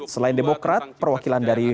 selain demokrat perwakilan dari